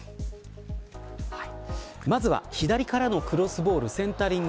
まずは左からのクロスボールにセンタリング。